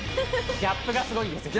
ギャップがすごいんですよね。